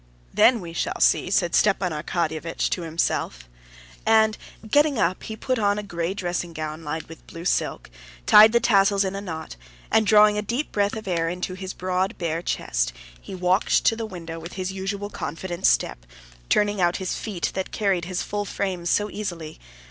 "Then we shall see," Stepan Arkadyevitch said to himself, and getting up he put on a gray dressing gown lined with blue silk, tied the tassels in a knot, and, drawing a deep breath of air into his broad, bare chest, he walked to the window with his usual confident step, turning out his feet that carried his full frame so easily.